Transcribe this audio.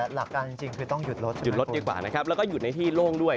หลักการจริงคือต้องหยุดรถหยุดรถดีกว่านะครับแล้วก็หยุดในที่โล่งด้วย